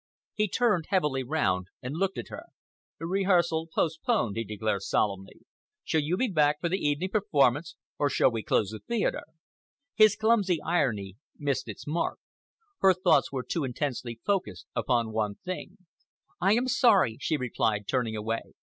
He turned heavily round and looked at her. "Rehearsal postponed," he declared solemnly. "Shall you be back for the evening performance, or shall we close the theatre?" His clumsy irony missed its mark. Her thoughts were too intensely focussed upon one thing. "I am sorry," she replied, turning away.